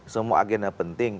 semua agenda penting